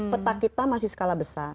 peta kita masih skala besar